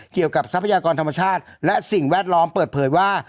ทรัพยากรธรรมชาติและสิ่งแวดล้อมเปิดเผยว่า